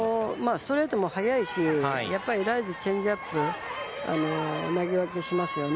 ストレートも速いしライズ、チェンジアップ投げ分けしますよね。